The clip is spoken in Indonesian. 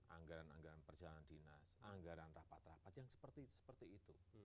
anggaran anggaran perjalanan dinas anggaran rapat rapat yang seperti itu seperti itu